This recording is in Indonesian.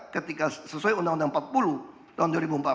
ketika sesuai undang undang empat puluh tahun dua ribu empat belas